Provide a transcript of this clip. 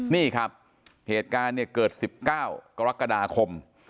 นี่ครับเหตุการณ์เนี่ยเกิด๑๙กรกฎาคม